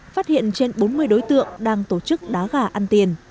phát hiện trên bốn mươi đối tượng đang tổ chức đá gà ăn tiền